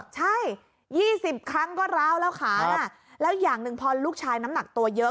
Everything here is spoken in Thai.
ใช่๒๐ครั้งก็ร้าวแล้วขานะแล้วอย่างหนึ่งพอลูกชายน้ำหนักตัวเยอะ